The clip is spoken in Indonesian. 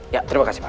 ya terima kasih pak